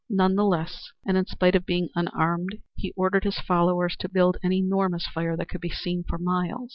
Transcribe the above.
None the less, and in spite of being unarmed, he ordered his followers to build an enormous fire that could be seen for miles.